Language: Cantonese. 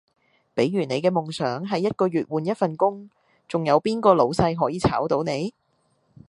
比如你嘅夢想係一個月換一份工，仲有邊個老細可以炒到你?